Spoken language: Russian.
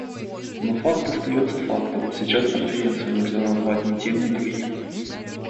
Но факт остается фактом — сейчас Конференцию нельзя назвать ни тем, ни другим.